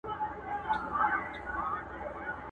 صبر په هر څه کي په کار دی!